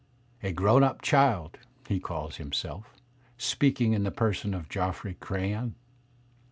"A grown up child/' he caQs himself, speaking in the person of Geoffrey Crayon.